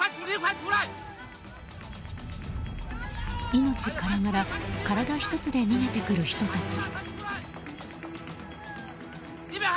命からがら体一つで逃げてくる人たち。